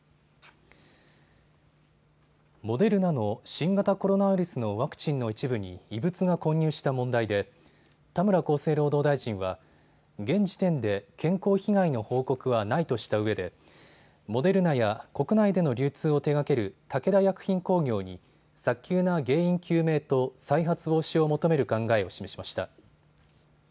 モデルナの新型コロナウイルスのワクチンの一部に異物が混入した問題で田村厚生労働大臣は現時点で健康被害の報告はないとしたうえでモデルナや、国内での流通を手がける武田薬品工業に早急な原因究明と再発防止を求める考えを示しました。